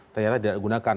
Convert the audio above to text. ternyata tidak digunakan